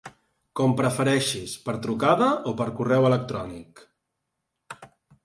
Com prefereixis, per trucada o per correu electrònic.